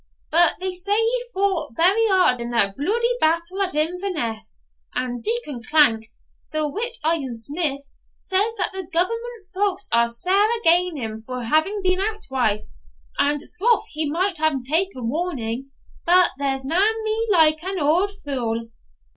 But they say he fought very hard in that bluidy battle at Inverness; and Deacon Clank, the whit iron smith, says that the government folk are sair agane him for having been out twice; and troth he might hae ta'en warning, but there's nae Me like an auld fule.